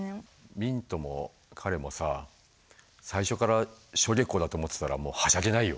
ミントも彼もさ最初からしょげこだと思ってたらはしゃげないよ。